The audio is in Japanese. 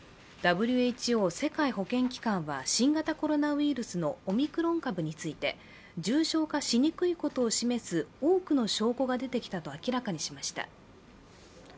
ＷＨＯ＝世界保健機関は新型コロナウイルスのオミクロン株について重症化しにくいことを示す多くの証拠が出てきたと明らかにしました。